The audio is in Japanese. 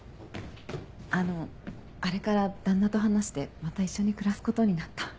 あのあれから旦那と話してまた一緒に暮らすことになった。